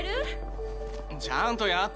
ちゃんとやってるって。